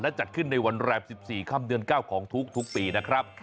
จัดขึ้นในวันแรม๑๔ค่ำเดือน๙ของทุกปีนะครับ